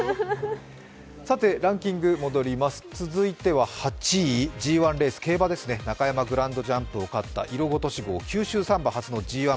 ランキング戻ります、続いては８位、ＧⅠレース、競馬ですね、中山グランドジャンプを勝ったイロゴトシ